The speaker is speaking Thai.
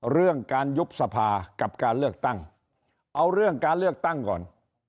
เรื่องการยุบสภากับการเลือกตั้งเอาเรื่องการเลือกตั้งก่อน